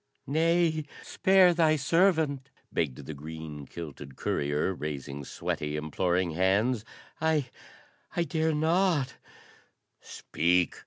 "Nay, spare thy servant!" begged the green kilted courier, raising sweaty, imploring hands. "I I dare not " "Speak!"